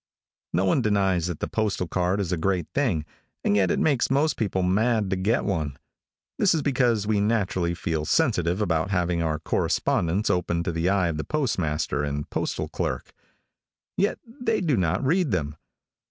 |NO one denies that the postal card is a great thing, and yet it makes most people mad to get one This is because we naturally feel sensitive about having our correspondence open to the eye of the postmaster and postal clerk. Yet they do not read them.